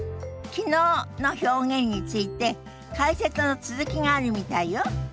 「昨日」の表現について解説の続きがあるみたいよ。